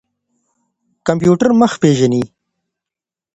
کمپيوټر مخ پېژني.